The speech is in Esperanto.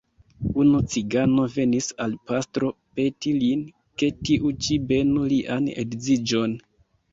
Unu cigano venis al pastro peti lin, ke tiu ĉi benu lian edziĝon.